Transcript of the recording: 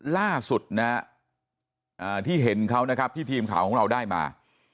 ล่าสุดนะฮะที่เห็นเขานะครับที่ทีมข่าวของเราได้มา